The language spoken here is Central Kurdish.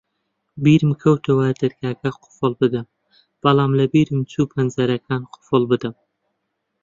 بیرم کەوتەوە دەرگاکە قوفڵ بدەم، بەڵام لەبیرم چوو پەنجەرەکان قوفڵ بدەم.